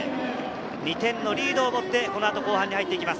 ２点のリードを持って後半に入っていきます。